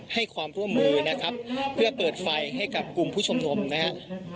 ให้ความร่วมมือนะครับเพื่อเปิดไฟให้กับกลุ่มผู้ชมนุมนะครับ